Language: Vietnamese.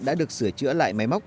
đã được sửa chữa lại máy móc